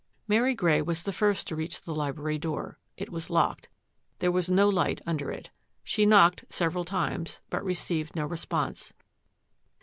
Mary Grey was the first to reach the library door. It was locked. There was no light under it. She knocked several times, but received no response.